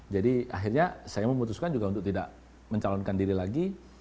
jadi akhirnya saya memutuskan juga untuk tidak mencalonkan diri lagi